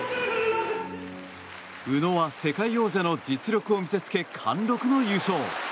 宇野は世界王者の実力を見せつけ貫禄の優勝。